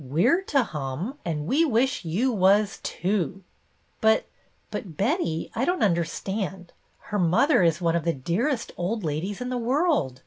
We're to hum, and we wish you was too !'"" But — but — Betty, I don't understand. Her mother is one of the dearest old ladies in the world.